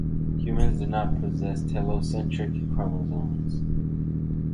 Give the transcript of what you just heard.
Humans do not possess telocentric chromosomes.